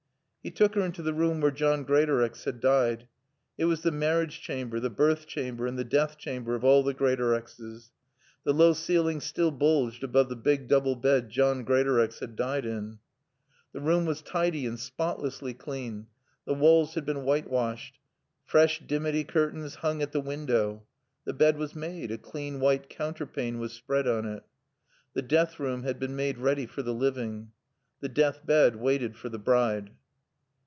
He took her into the room where John Greatorex had died. It was the marriage chamber, the birth chamber, and the death chamber of all the Greatorexes. The low ceiling still bulged above the big double bed John Greatorex had died in. The room was tidy and spotlessly clean. The walls had been whitewashed. Fresh dimity curtains hung at the window. The bed was made, a clean white counterpane was spread on it. The death room had been made ready for the living. The death bed waited for the bride.